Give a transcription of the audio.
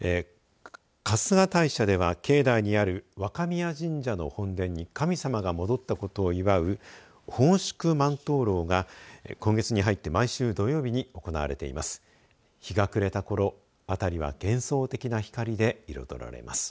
春日大社では境内にある若宮神社の本殿に神様が戻ったことを祝う奉祝万灯籠が今月に入って毎週土曜日に行われています。